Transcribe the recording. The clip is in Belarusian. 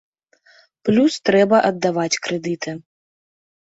Плюс трэба аддаваць крэдыты.